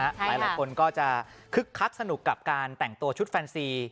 หลายคนก็จะคึกคักสนุกกับการแต่งตัวชุดแฟนซี